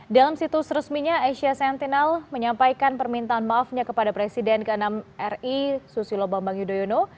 dalam situs resminya asia sentinel menyampaikan permintaan maafnya kepada presiden ke enam ri susilo bambang yudhoyono